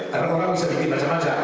karena orang bisa bikin macam macam